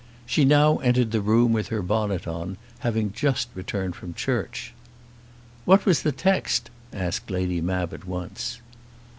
She now entered the room with her bonnet on, having just returned from church. "What was the text?" asked Lady Mab at once.